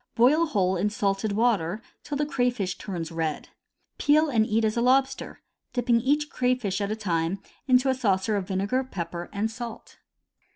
Boil whole in salted water till the crayfish turns red. Peel and eat as a lobster, dipping each crayfish at a time into a saucer of vinegar, pepper, and salt.